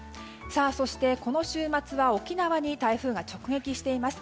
そして、この週末は沖縄に台風が直撃しています。